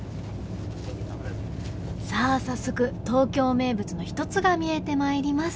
さあ早速東京名物の一つが見えてまいります。